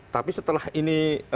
tapi setelah ini